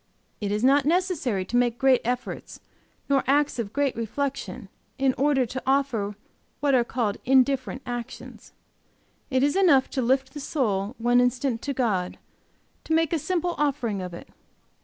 "It is not necessary to make great efforts nor acts of great reflection, in order to offer what are called indifferent actions. It is enough to lift the soul one instant to God, to make a simple offering of it.